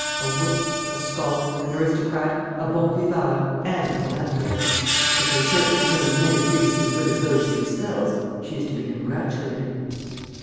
A wit, a scholar, an aristocrat, a bon viveur, and a philanthropist. If your Church retains many priests as good as those she expels, she is to be congratulated."